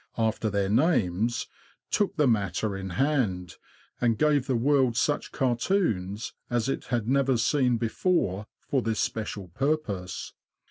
after their names, took the matter in hand, and gave the world such cartoons as it had never seen before for this special purpose.